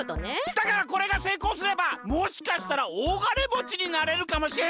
だからこれがせいこうすればもしかしたらおおがねもちになれるかもしれないわけ。